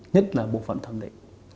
nhất là bộ phận thẩm định